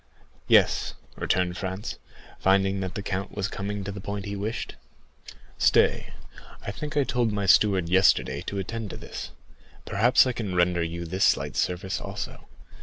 "Yes," returned Franz, finding that the count was coming to the point he wished. "Stay, I think I told my steward yesterday to attend to this; perhaps I can render you this slight service also."